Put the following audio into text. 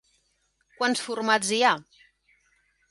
Quants formats hi ha?